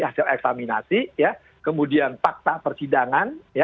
hasil eksaminasi kemudian fakta persidangan